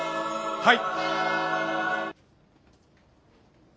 はい。